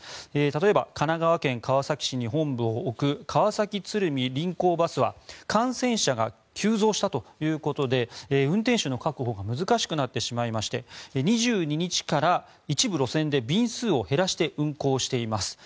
例えば神奈川県川崎市に本部を置く川崎鶴見臨港バスは感染者が急増したということで運転手の確保が難しくなってしまいまして２２日から一部路線で便数を減らして運行しています。